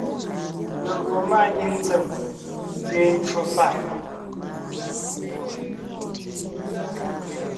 Légÿo máanyìŋ ntsèm gẅeen ncwò fàʼ,